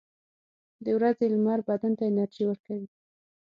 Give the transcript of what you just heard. • د ورځې لمر بدن ته انرژي ورکوي.